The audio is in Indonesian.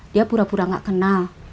dia pura pura gak kenal